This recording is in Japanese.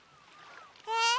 えっ。